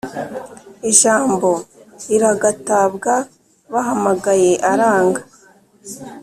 Ijambo riragatabwa Bahamagaye aranga